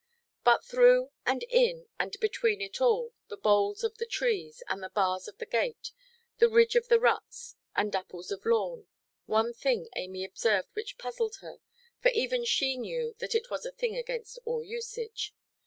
But through, and in, and between it all, the boles of the trees, and the bars of the gate, the ridge of the ruts, and dapples of lawn, one thing Amy observed which puzzled her, for even she knew that it was a thing against all usage.